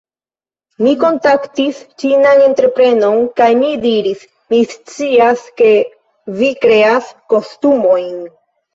- mi kontaktis ĉinan entreprenon kaj mi diris, "Mi scias, ke vi kreas kostumojn.